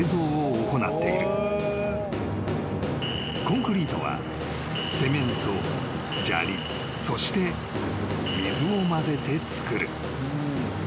［コンクリートはセメント砂利そして水を混ぜて作る］